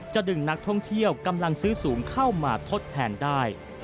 จะดึงนักท่องเที่ยวกำลังซื้อสูงเข้ามาทดแทนได้